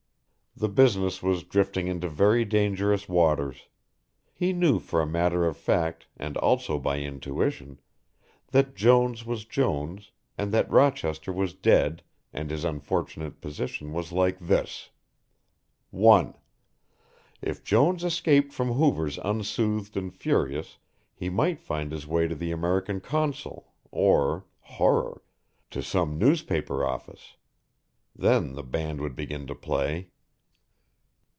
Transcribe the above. The business was drifting into very dangerous waters. He knew for a matter of fact and also by intuition that Jones was Jones and that Rochester was dead and his unfortunate position was like this: 1. If Jones escaped from Hoover's unsoothed and furious he might find his way to the American Consul or, horror! to some newspaper office. Then the band would begin to play.